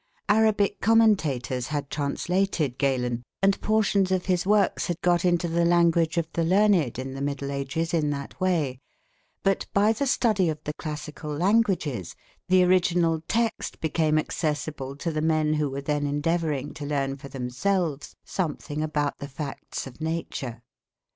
Arabic commentators had translated Galen, and portions of his works had got into the language of the learned in the Middle Ages, in that way; but, by the study of the classical languages, the original text became accessible to the men who were then endeavouring to learn for themselves something about the facts of nature.